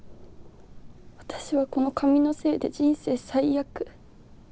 私はこの髪のせいで人生最悪。